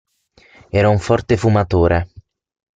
Era un forte fumatore.